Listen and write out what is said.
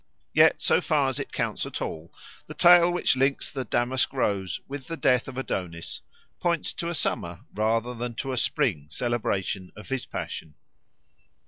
Yet so far as it counts at all, the tale which links the damask rose with the death of Adonis points to a summer rather than to a spring celebration of his passion.